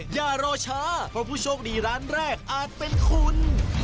อย่ารอช้าเพราะผู้โชคดีร้านแรกอาจเป็นคุณ